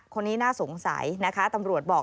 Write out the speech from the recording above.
คนนี้น่าสงสัยนะคะตำรวจบอก